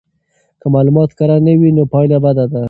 که معلومات کره نه وي نو پایله بده ده.